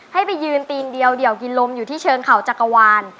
ให้ไปยืนตีนเดียวเดี่ยวกินลมอยู่ที่เชิงเขาจักรวาล